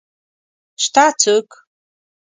شته څوک؟